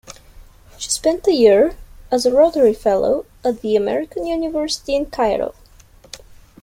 She spent a year as a Rotary Fellow at the American University in Cairo.